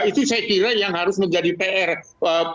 itu saya kira yang harus dilakukan